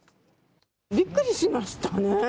びっくりしましたね。